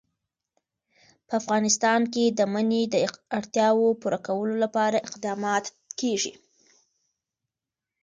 په افغانستان کې د منی د اړتیاوو پوره کولو لپاره اقدامات کېږي.